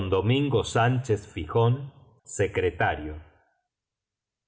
Domingo Sanchez Fijon, Secretario.